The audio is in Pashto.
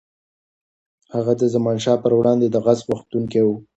هغه د زمانشاه پر وړاندې د غچ غوښتونکی و.